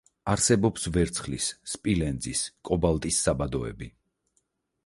არსებობს ვერცხლის, სპილენძის, კობალტის საბადოები.